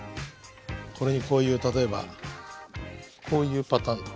これにこういう例えばこういうパターン。